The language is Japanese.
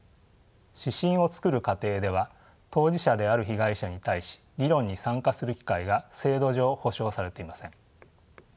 指針を作る過程では当事者である被害者に対し議論に参加する機会が制度上保障されていません。